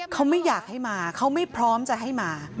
เขาไม่อยากให้มาเขาไม่พร้อมจะให้มา